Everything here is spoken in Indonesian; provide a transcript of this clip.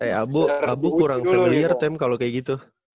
eh abu kurang familiar tem kalau kayak gitu